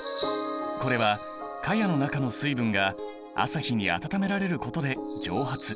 これはかやの中の水分が朝日に温められることで蒸発。